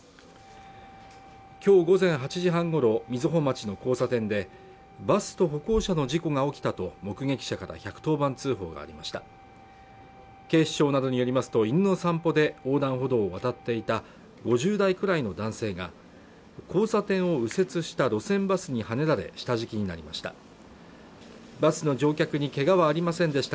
今日午前８時半ごろ瑞穂町の交差点でバスと歩行者の事故が起きたと目撃者から１１０番通報がありました警視庁などによりますと犬の散歩で横断歩道を渡っていた５０代くらいの男性が交差点を右折した路線バスにはねられ下敷きになりました